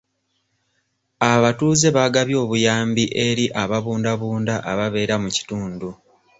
Abatuuze baagabye obuyambi eri ababundabunda ababeera mu kitundu.